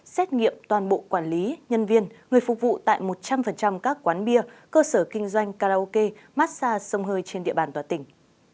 xét nghiệm toàn bộ quản lý nhân viên người phục vụ tại một trăm linh các quán bia cơ sở kinh doanh karaoke massage sông hơi trên địa bàn toàn tỉnh